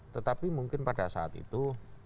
tetapi mungkin pada saat itu